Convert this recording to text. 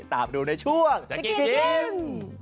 ตามดูในช่วงสกิดยิ้ม